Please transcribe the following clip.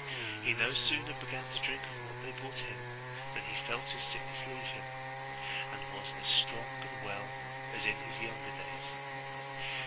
He no sooner began to drink of what they brought him, than he felt his sickness leave him, and was as strong and well as in his younger days.